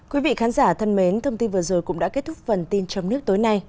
quý vị khán giả thân mến thông tin vừa rồi cũng đã kết thúc phần tin trong nước tối nay